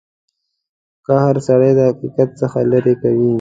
قهر سړی د حقیقت څخه لرې کوي.